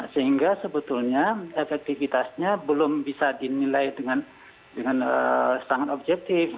sehingga sebetulnya efektivitasnya belum bisa dinilai dengan sangat objektif